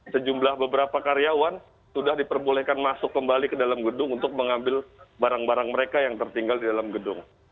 sejumlah beberapa karyawan sudah diperbolehkan masuk kembali ke dalam gedung untuk mengambil barang barang mereka yang tertinggal di dalam gedung